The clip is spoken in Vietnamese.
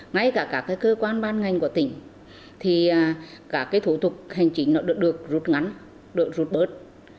ngay cả các cơ quan ban ngành của tỉnh thì cả cái thủ tục hành chính nó được rút ngắn được rút bớt